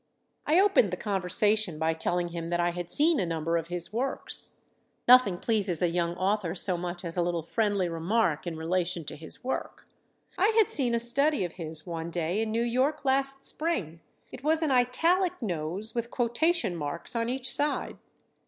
I opened the conversation by telling him that I had seen a number of his works. Nothing pleases a young author so much as a little friendly remark in relation to his work. I had seen a study of his one day in New York last spring. It was an italic nose with quotation marks on each side.